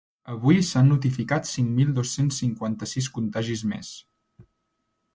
Avui s’han notificat cinc mil dos-cents cinquanta-sis contagis més.